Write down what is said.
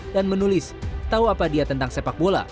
dan menulis tahu apa dia tentang sepak bola